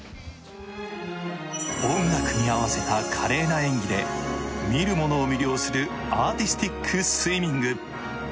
音楽に合わせた華麗な演技で見るものを魅了するアーティスティックスイミング。